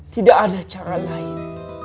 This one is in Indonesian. tidak ada cara lain